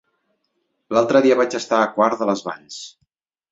L'altre dia vaig estar a Quart de les Valls.